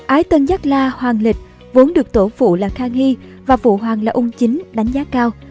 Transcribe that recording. ái tân giác la hoàng lịch vốn được tổ phụ là khang hy và phụ hoàng là ung chính đánh giá cao